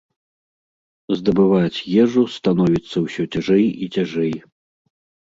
Здабываць ежу становіцца ўсё цяжэй і цяжэй.